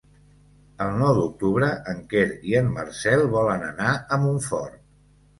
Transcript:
El nou d'octubre en Quer i en Marcel volen anar a Montfort.